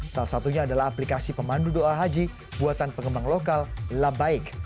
salah satunya adalah aplikasi pemandu doa haji buatan pengembang lokal labaik